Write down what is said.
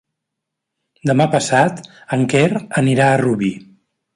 Demà passat en Quer anirà a Rubí.